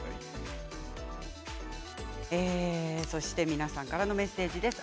皆さんからのメッセージです。